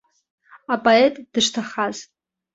Апоет дышҭахаз.